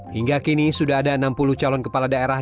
hingga kini sudah ada enam puluh calon kepala daerah